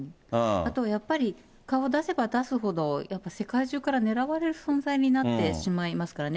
あとやっぱり、顔出せば出すほどやっぱり世界中から狙われる存在になってしまいますからね。